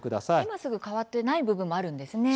今すぐ変わってない部分もあるんですね。